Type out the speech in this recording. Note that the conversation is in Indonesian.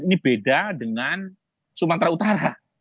ini beda dengan sumatera utara